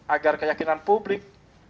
agar keyakinan publik